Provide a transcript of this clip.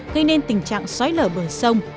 gây nên tình trạng xoáy lở bờ sông